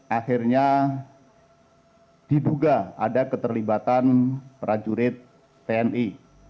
akhirnya diduga ada keterlibatan prajurit tni